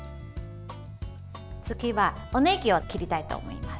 次は、おねぎを切りたいと思います。